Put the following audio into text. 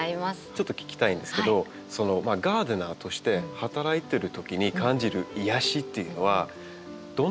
ちょっと聞きたいんですけどガーデナーとして働いてるときに感じる癒やしっていうのはどんなところにあるんですか？